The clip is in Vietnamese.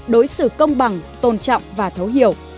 đối xử công bằng tôn trọng và thấu hiểu